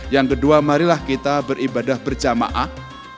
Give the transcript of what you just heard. yang kedua marilah kita beribadah berjamaah